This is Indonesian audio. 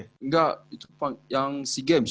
enggak itu yang sea games